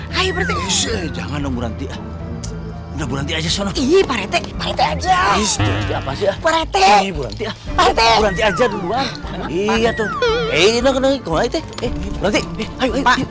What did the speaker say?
hai berarti jangan nunggu nanti nanti aja sih pak rete pak rete aja dulu iya tuh